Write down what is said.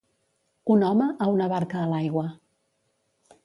Un home a una barca a l'aigua.